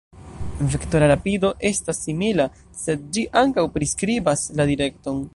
Vektora rapido estas simila, sed ĝi ankaŭ priskribas la direkton.